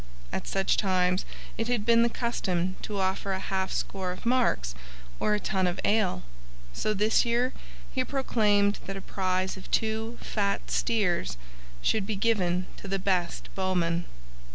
At such times it had been the custom to offer a half score of marks or a tun of ale, so this year he proclaimed that a prize of two fat steers should be given to the best bowman.